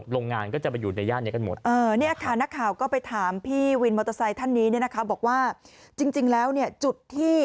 โรงงานก็จะไปอยู่ในย่านนี้กันหมด